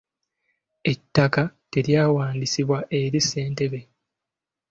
Ettaka teryawandiisibwa eri ssentebe.